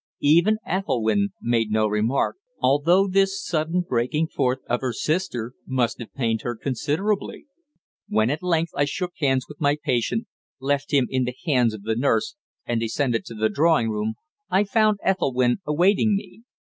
Even Ethelwynn made no remark, although this sudden breaking forth of her sister must have pained her considerably. When at length I shook hands with my patient, left him in the hands of the nurse and descended to the drawing room, I found Ethelwynn awaiting me.